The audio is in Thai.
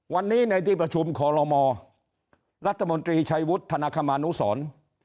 วันนี้ในที่ประชุมคอลโลมรัฐมนตรีชัยวุฒิธนคมานุสร